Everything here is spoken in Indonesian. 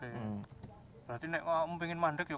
berarti anak anak mau mandek ya